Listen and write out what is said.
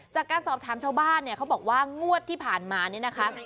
จากการสอบถามชาวบ้านเนี่ยเขาบอกว่างวดที่ผ่านมานี่นะคะ